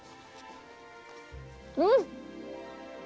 うん！